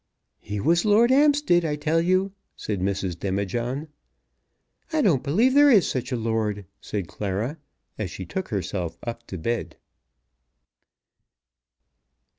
"He was Lord 'Ampstead, I tell you," said Mrs. Demijohn. "I don't believe there is such a lord," said Clara, as she took herself up to bed.